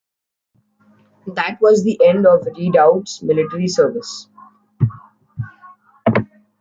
That was the end of the Redoubt's military service.